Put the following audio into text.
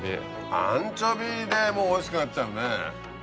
アンチョビでもうおいしくなっちゃうね。